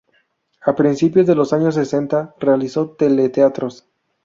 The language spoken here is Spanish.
A principios de los años sesenta realizó teleteatros.